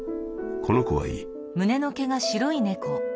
この子はいい」。